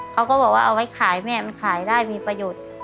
เขาก็บอกว่าเอาไว้ขายแม่มันขายได้มีประโยชน์